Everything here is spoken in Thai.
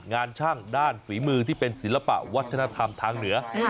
ช่างด้านฝีมือที่เป็นศิลปะวัฒนธรรมทางเหนือ